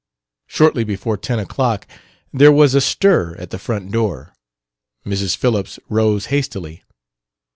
Shortly before ten o'clock there was a stir at the front door. Mrs. Phillips rose hastily.